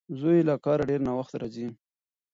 زوی یې له کاره ډېر ناوخته راځي.